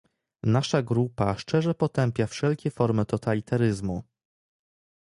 Nasza grupa szczerze potępia wszelkie formy totalitaryzmu